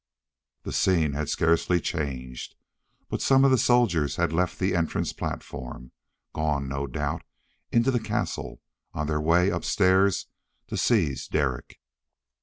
The scene had scarcely changed. But, some of the soldiers had left the entrance platform, gone, no doubt, into the castle on their way upstairs to seize Derek.